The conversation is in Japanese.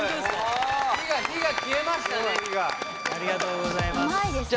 ありがとうございます。